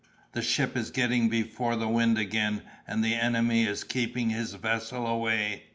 The ship is getting before the wind again, and the enemy is keeping his vessel away."